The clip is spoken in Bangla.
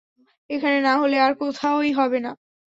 এখানে না হলে আর কোথাওই হবে না।